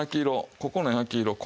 ここの焼き色。